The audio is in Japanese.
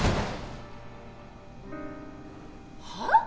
はあ？